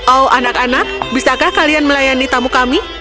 oh anak anak bisakah kalian melayani tamu kami